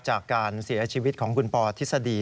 จากการเสียชีวิตของคุณปอทฤษฎี